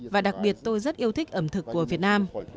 và đặc biệt tôi rất yêu thích ẩm thực của việt nam